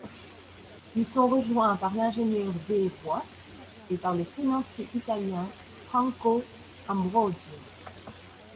Ils sont rejoints par l'ingénieur Dave Wass et par le financier italien Franco Ambrosio.